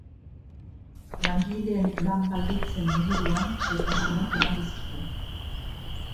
Langileen lan-baldintzen inguruan xehetasunak eman dizkigu.